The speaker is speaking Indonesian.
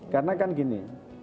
karena kan gini